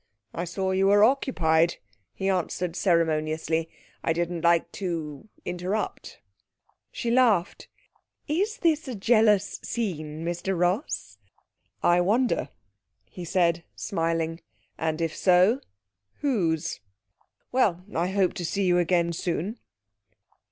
'I saw you were occupied,' he answered ceremoniously. 'I didn't like to interrupt.' She laughed. 'Is this a jealous scene, Mr Ross?' 'I wonder,' he said, smiling, 'and if so, whose. Well, I hope to see you again soon.'